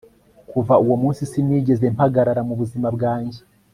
kuva uwo munsi sinigeze mpagarara mu buzima bwanjye